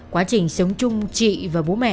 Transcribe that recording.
quá trình sống chung chị và bố mẹ